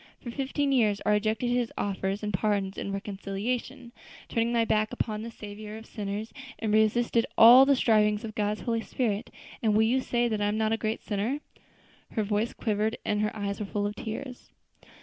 For fifteen years I rejected His offers of pardon and reconciliation, turned my back upon the Saviour of sinners, and resisted all the strivings of God's Holy Spirit, and will you say that I am not a great sinner?" Her voice quivered, and her eyes were full of tears.